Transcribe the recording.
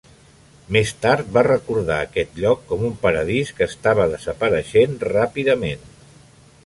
Més tard va recordar aquest lloc com un paradís que estava desapareixent ràpidament.